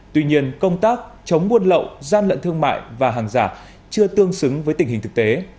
tuy nhiên công tác chống buôn lậu gian lận thương mại và hàng giả chưa tương xứng với tình hình thực tế